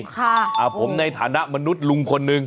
ค่ะโอ้โฮอ่ะผมในฐานะมนุษย์ลุงคนนึง